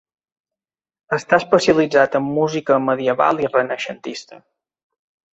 Està especialitzat en música medieval i renaixentista.